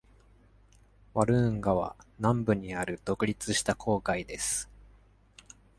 ワルーンガは南部にある独立した郊外です。